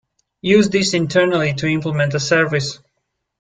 Use this internally to implement a service.